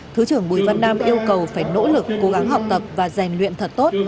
thứ trưởng bùi văn nam yêu cầu phải nỗ lực cố gắng học tập và rèn luyện thật tốt